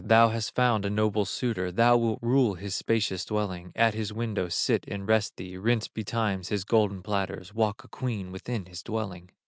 Thou hast found a noble suitor, Thou wilt rule his spacious dwelling, At his window sit and rest thee, Rinse betimes his golden platters, Walk a queen within his dwelling."